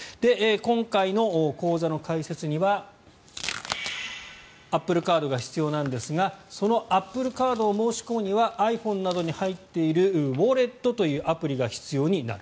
今回の口座の開設にはアップルカードが必要ですがそのアップルカードを申し込むにはｉＰｈｏｎｅなどに入っているウォレットというアプリが必要になる。